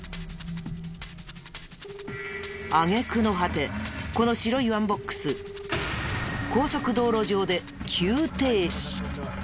揚げ句の果てこの白いワンボックス高速道路上で急停止。